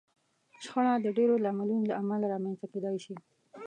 شخړه د ډېرو لاملونو له امله رامنځته کېدای شي.